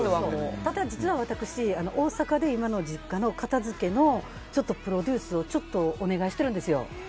実は私、大阪で今の実家の片付けのプロデュースをお願いしてるんですよ。